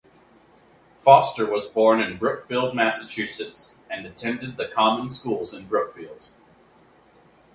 Foster was born in Brookfield, Massachusetts, and attended the common schools in Brookfield.